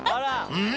うん？